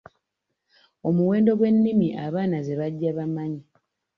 Omuwendo gw’ennimi abaana ze bajja bamanyi.